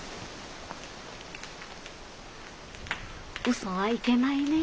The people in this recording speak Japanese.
ウソはいけないね